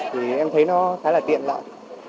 thì em thấy nó khá là tiện lợi